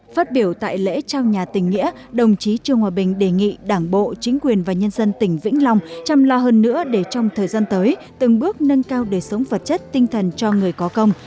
phát biểu tại lễ trao nhà tỉnh nghĩa đồng chí trương hòa bình đề nghị đảng bộ chính quyền và nhân dân tỉnh vĩnh long chăm lo hơn nữa để trong thời gian tới từng bước nâng cao đề sống vật chất tinh thần cho người có công